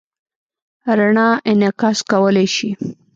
رڼا انعکاس کولی شي.